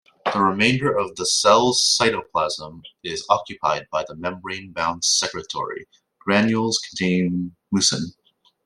The remainder of the cell's cytoplasm is occupied by membrane-bound secretory granules containing mucin.